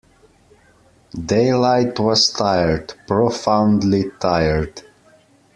Daylight was tired, profoundly tired.